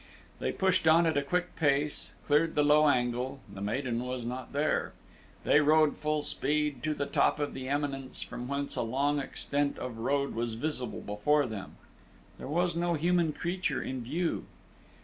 They pushed on at a quick pace, cleared the low angle the maiden was not there! They rode full speed to the top of the eminence from whence a long extent of road was visible before them there was no human creature in view.